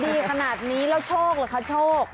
ดีขนาดนี้แล้วโชคเหรอคะโชค